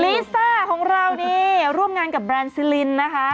ลิซ่าของเรานี่ร่วมงานกับแบรนด์ซิลินนะคะ